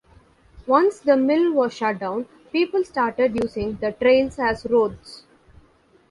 Once the Mill was shut down, people started using the Trails as roads.